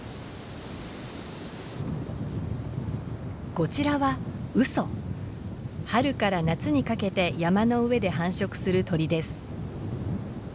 こちらは春から夏にかけて山の上で繁殖する鳥です。